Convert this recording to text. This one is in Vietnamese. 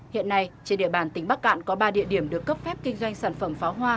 hiện nay trên địa bàn tỉnh bắc cạn có ba địa điểm được cấp phép kinh doanh sản phẩm pháo hoa